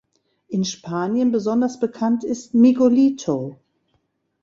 In Spanien besonders bekannt ist Miguelito.